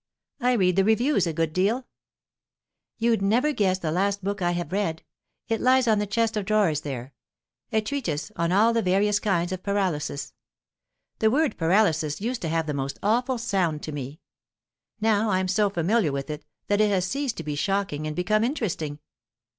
I read the reviews a good deal." "You'd never guess the last book I have read. It lies on the chest of drawers there a treatise on all the various kinds of paralysis. The word 'paralysis' used to have the most awful sound to me; now I'm so familiar with it that it has ceased to be shocking and become interesting.